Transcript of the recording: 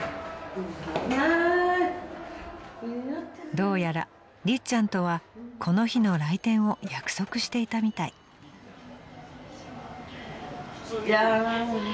［どうやらりっちゃんとはこの日の来店を約束していたみたい］じゃん。